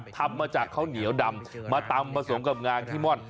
ทำมาจากข้าวเหนียวดำมาตำผสมกับงาขี้ม่อน